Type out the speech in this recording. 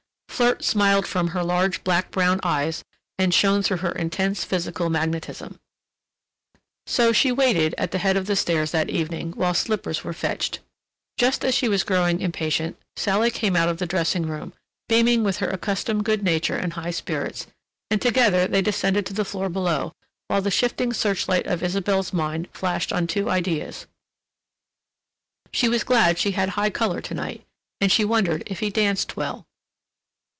Flirt smiled from her large black brown eyes and shone through her intense physical magnetism. So she waited at the head of the stairs that evening while slippers were fetched. Just as she was growing impatient, Sally came out of the dressing room, beaming with her accustomed good nature and high spirits, and together they descended to the floor below, while the shifting search light of Isabelle's mind flashed on two ideas: she was glad she had high color to night, and she wondered if he danced well.